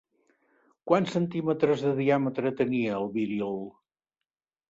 Quants centímetres de diàmetre tenia el viril?